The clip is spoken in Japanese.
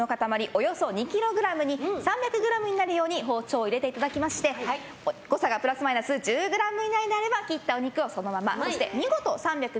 およそ２ｋｇに３００ｇになるように包丁を入れていただきまして誤差がプラスマイナス１０ｇ以内であれば切ったお肉をそのままそして見事３００